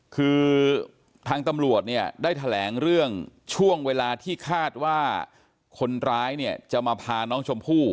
คือทางตำรวจได้แทลงเรื่องช่วงเวลาที่คาดว่าคนร้ายจะมาพาน้องชมผู้